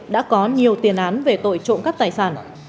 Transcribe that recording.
đã có nhiều tiền án về tội trộm cắp tài sản